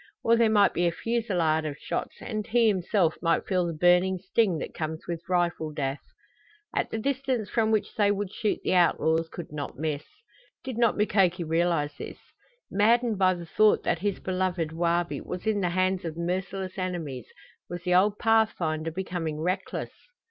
Or there might be a fusillade of shots and he himself might feel the burning sting that comes with rifle death. At the distance from which they would shoot the outlaws could not miss. Did not Mukoki realize this? Maddened by the thought that his beloved Wabi was in the hands of merciless enemies, was the old pathfinder becoming reckless?